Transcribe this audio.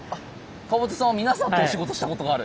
川端さんは皆さんとお仕事したことがある？